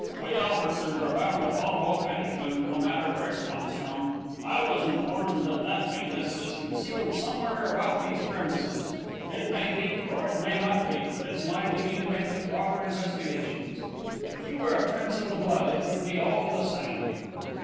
"We officers are bound to follow up any clue, no matter where it comes from. I was informed that that Venus is concealed somewhere about these premises. It may be, or it may not be; but it's my duty to make the proper investigations. If you were a prince of the blood, it would be all the same."